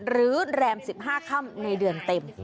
แรม๑๕ค่ำในเดือนเต็ม